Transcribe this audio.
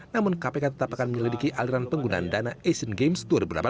namun kpk tetap akan menyelidiki aliran penggunaan dana asian games dua ribu delapan belas